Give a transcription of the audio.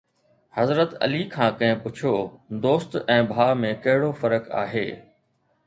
حضرت علي کان ڪنهن پڇيو: دوست ۽ ڀاءُ ۾ ڪهڙو فرق آهي؟